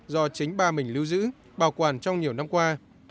do chính ba mình lưu giữ bảo quản trong nhiều năm qua